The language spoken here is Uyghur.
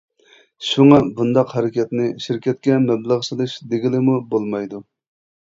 شۇڭا بۇنداق ھەرىكەتنى «شىركەتكە مەبلەغ سېلىش» دېگىلىمۇ بولمايدۇ.